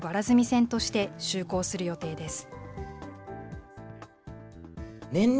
船として就航する予定です。